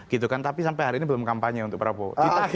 gitu kan tapi sampai hari ini belum kampanye untuk prabowo